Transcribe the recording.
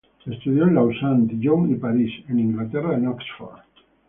Estudió en Lausana, Dijon y París; en Inglaterra en Oxford.